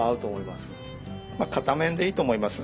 まあ片面でいいと思います。